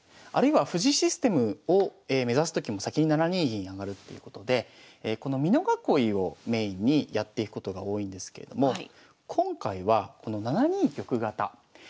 あるいは藤井システムを目指すときも先に７二銀上っていうことでこの美濃囲いをメインにやっていくことが多いんですけれども今回はこの７二玉型。